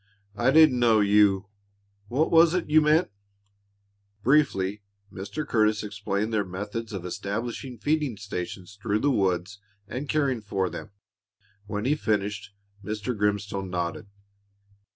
"I didn't know you What was it you meant?" Briefly Mr. Curtis explained their methods of establishing feeding stations through the woods and caring for them. When he had finished, Mr. Grimstone nodded.